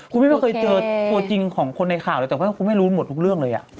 คุณแม่แม่เห็นตัวจรรย์จรรย์ของคนในข่าวแต่ไม่รู้หมดทุกเรื่องเลย